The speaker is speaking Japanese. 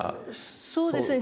そうですね。